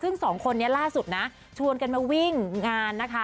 ซึ่งสองคนนี้ล่าสุดนะชวนกันมาวิ่งงานนะคะ